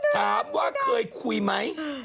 ถามว่าเคยคุยไหม